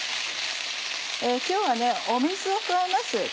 今日は水を加えます